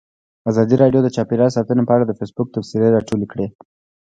ازادي راډیو د چاپیریال ساتنه په اړه د فیسبوک تبصرې راټولې کړي.